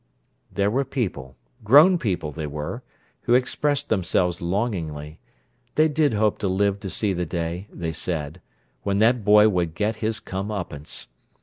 _" There were people—grown people they were—who expressed themselves longingly: they did hope to live to see the day, they said, when that boy would get his come upance!